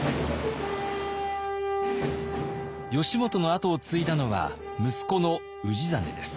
義元の後を継いだのは息子の氏真です。